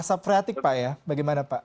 asap freatik pak ya bagaimana pak